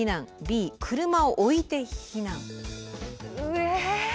え？